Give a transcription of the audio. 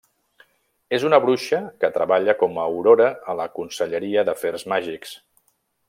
És una bruixa que treballa com a aurora a la Conselleria d'Afers Màgics.